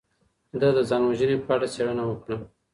ده د ځان وژنې په اړه څیړنه وکړه.